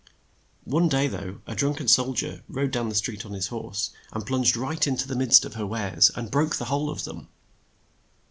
One day, though, a drunk en sol dier rode down the street on his horse, 40 KING ROUGH BEARD and plunged right in to the midst of her wares, and broke the whole of them.